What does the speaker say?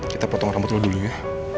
kita potong rambut dulu ya